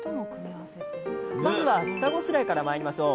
まずは下ごしらえからまいりましょう！